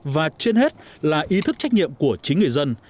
và trên hết là ý thức trách nhiệm của chính người dân